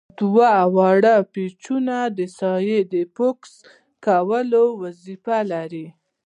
دوه واړه پیچونه د ساحې د فوکس کولو وظیفه لري.